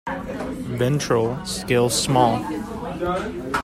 Ventral scales small.